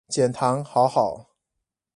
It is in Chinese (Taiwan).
減醣好好